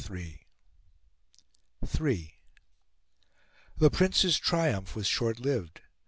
III The Prince's triumph was short lived.